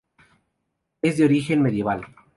Es de origen medieval.